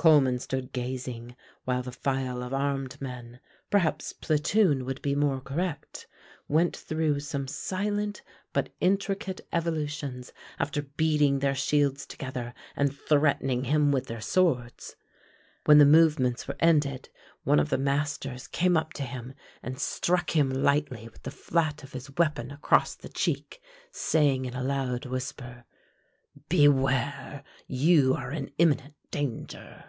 Coleman stood gazing while the file of armed men perhaps platoon would be more correct went through some silent but intricate evolutions after beating their shields together and threatening him with their swords. When the movements were ended one of the masters came up to him and struck him lightly with the flat of his weapon across the cheek, saying in a loud whisper: "Beware! you are in imminent danger."